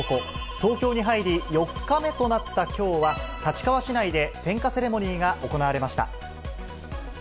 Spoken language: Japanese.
東京に入り、４日目となったきょうは、立川市内で点火セレモニーが行われました。